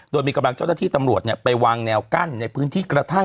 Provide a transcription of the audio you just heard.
โดยมีกำลังเจ้าหน้าที่ตำรวจไปวางแนวกั้นในพื้นที่กระทั่ง